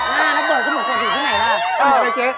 หน้าน้ำเบิร์ดก็หมดโขดหินที่ไหนล่ะเออไอ้เจ๊